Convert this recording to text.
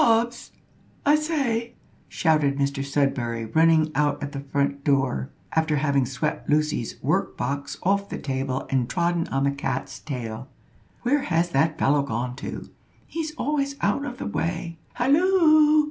Hobbs! I say," shouted Mr Sudberry, running out at the front door, after having swept Lucy's work box off the table and trodden on the cat's tail. "Where has that fellow gone to? He's always out of the way. Halloo!"